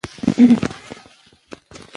مشوره د مالي چارو برخه ده.